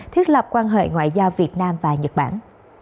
thiết lập quan hệ ngoại giao việt nam và nhật bản